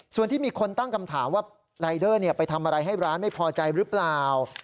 ส่วนที่มีคนตั้งคำถามว่ารายเดอร์ไปทำอะไรให้ร้านไม่พอใจหรือเปล่า